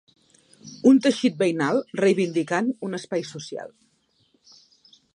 Un teixit veïnal reivindicant ‘un espai social’.